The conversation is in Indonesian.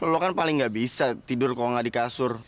lo kan paling gak bisa tidur kalau nggak di kasur